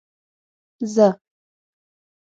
زه.